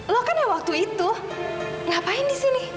lo kan ya waktu itu ngapain di sini